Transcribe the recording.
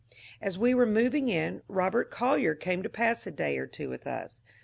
As we were mov ing in, Robert Collyer came to pass a day or two with us.